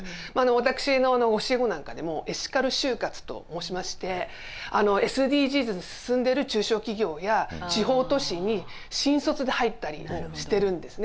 私の教え子なんかでもエシカル就活と申しましてＳＤＧｓ進んでる中小企業や地方都市に新卒で入ったりしてるんですね。